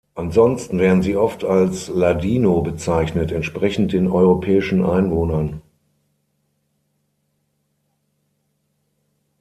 Ansonsten werden sie oft als "ladino" bezeichnet, entsprechend den „europäischen“ Einwohnern.